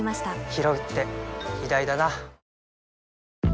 ひろうって偉大だな